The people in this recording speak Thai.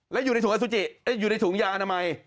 แล้วอยู่ในถุงยางอนามัย